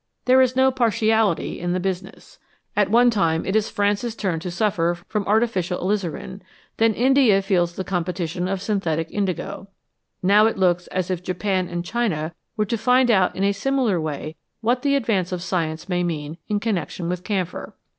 There is no partiality in the busi ness. At one time it is France*^ turn to suffer from artificial alizarin, then India feels the competition of synthetic indigo ; now it looks as if Japan and China were to find out in a similar way what the advance of science may mean in connection with camphor.